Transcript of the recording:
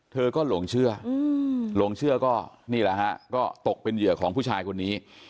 เธอก็หลงเชื่อหลงเชื่อก็นี่แหละฮะก็ตกเป็นเหยื่อของผู้ชายคนนี้